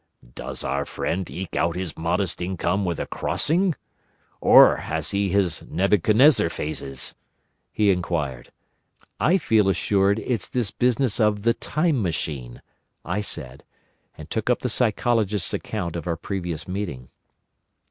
"Does our friend eke out his modest income with a crossing? or has he his Nebuchadnezzar phases?" he inquired. "I feel assured it's this business of the Time Machine," I said, and took up the Psychologist's account of our previous meeting.